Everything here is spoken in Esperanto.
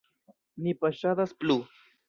Ni paŝadas plu.